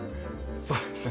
そうですね。